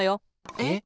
えっ？